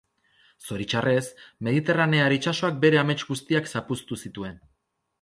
Zoritxarrez, mediterranear itsasoak bere amets guztiak zapuztu zituen.